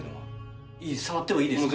触ってもいいですか？